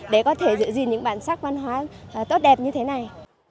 để có thể giữ gìn những bản sắc văn hóa tốt đẹp như thế này